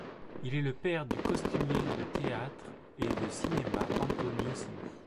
Il est le père du costumier de théâtre et de cinéma Antonio Simi.